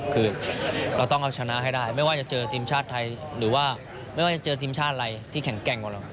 คือเราต้องเอาชนะให้ได้ไม่ว่าจะเจอทีมชาติไทยหรือว่าไม่ว่าจะเจอทีมชาติอะไรที่แข็งแกร่งกว่าเรา